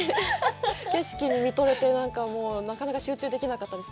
景色に見とれて、なかなか集中できなかったです。